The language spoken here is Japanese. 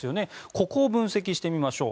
ここを分析してみましょう。